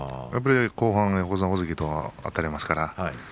後半は横綱大関とあたりますから。